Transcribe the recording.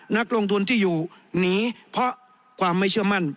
นักลงทุนที่อยู่หนีเพราะความไม่เชื่อมั่น